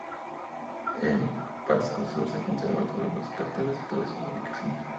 En Pasco Sur, se conservan todos los carteles en todas sus ubicaciones.